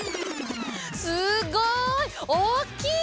すごい！おっきい！